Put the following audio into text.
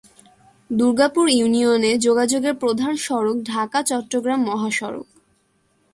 দুর্গাপুর ইউনিয়নে যোগাযোগের প্রধান সড়ক ঢাকা-চট্টগ্রাম মহাসড়ক।